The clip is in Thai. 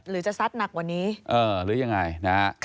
หรือจะซัดหนักกว่านี้หรือยังไงนะฮะ